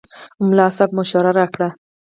ملا صاحب مشوره راکړه.